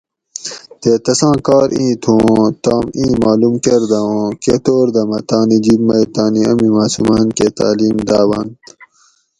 تے تساں کار ایں تھو اوں تام ایں معلوم کۤردہ اوں کہ طور دہ مۤہ تانی جِب مئی تانی امی معصوماۤن کہ تعلیم داواۤنت